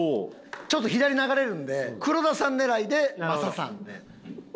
ちょっと左流れるんで黒田さん狙いで雅さんでいきたいと。